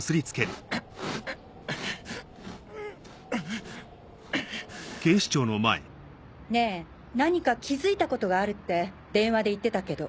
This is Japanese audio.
んっ！ねぇ何か気付いたことがあるって電話で言ってたけど。